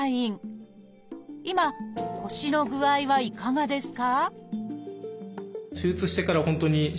今腰の具合はいかがですか？